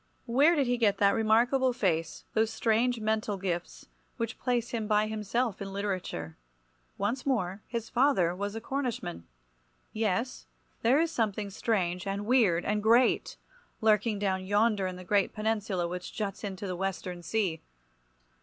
Where did he get that remarkable face, those strange mental gifts, which place him by himself in literature? Once more, his father was a Cornishman. Yes, there is something strange, and weird, and great, lurking down yonder in the great peninsula which juts into the western sea.